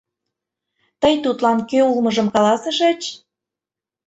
Тый тудлан кӧ улмыжым каласышыч?